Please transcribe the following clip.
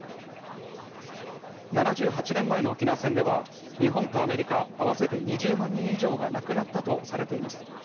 ７８年前の沖縄戦では、日本とアメリカ、合わせて２０万人以上が亡くなったとされています。